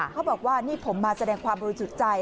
เขาบอกว่านี่ผมมาแสดงความรู้สึกใจ